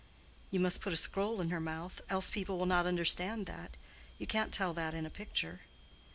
"You must put a scroll in her mouth, else people will not understand that. You can't tell that in a picture."